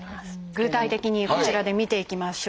具体的にこちらで見ていきましょう。